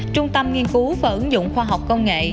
trung tâm nghiên cứu và ứng dụng khoa học công nghệ